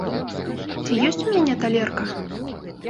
Ці ёсць у мяне талерка?